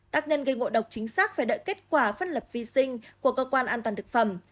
tác nhân gây ngộ độc chính xác phải đợi kết quả phân lập vi sinh của cơ quan an toàn thực phẩm